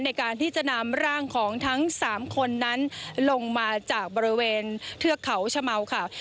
ในการที่จะนำร่างของทั้ง๓คนนั้นลงมาจากบริเวณเทือกเขาชะเมาค่ะ